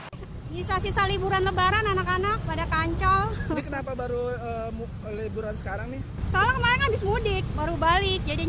di sisa sisa liburan lebaran anak anak pada ancol